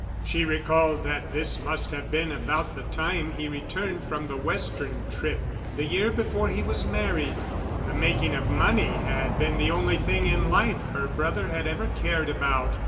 She recalled that this must have been about the time he returned from the Western trip—the year before he was married. The making of money had been the only thing in life her brother had ever cared about.